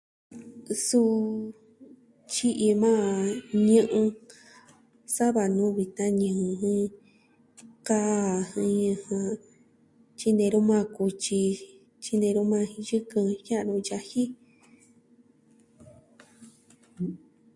Suu, tyi'i maa ñɨ'ɨ, sa va nuvi tan ñɨ'ɨ jɨn, kaa tyi'i nee nu ma kutyi, tyi'i nee nu ma yɨkɨn jia'nu yaji.